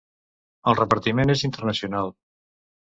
El repartiment és internacional.